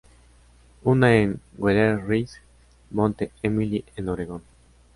Una en Wheeler Ridge, Monte Emily en Oregon.